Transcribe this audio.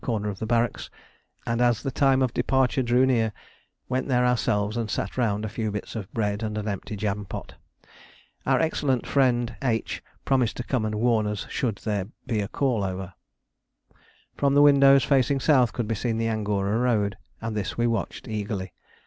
corner of the barracks; and as the time of departure drew near, went there ourselves and sat round a few bits of bread and an empty jam pot. Our excellent friend H promised to come and warn us should there be a call over. From the windows facing south could be seen the Angora road, and this we watched eagerly.